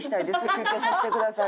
「休憩させてください」